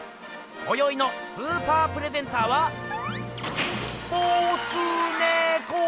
こよいのスーパープレゼンターはボスネコー！